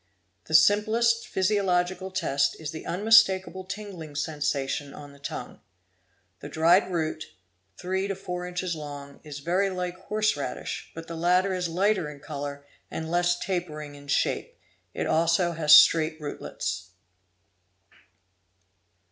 The simplest physiological test is the unmistakeable tingling sensation on the tongue. The dried root, three to four inches long, is very like horse radish, but the latter is lighter in colour and less tapering in shape; it also has straight rootlets.